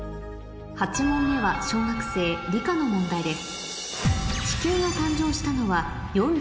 ８問目は小学生理科の問題です